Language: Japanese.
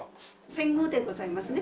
戦後でございますね